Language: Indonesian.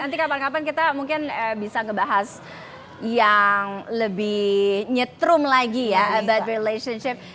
nanti kapan kapan kita mungkin bisa ngebahas yang lebih nyetrum lagi ya about relationship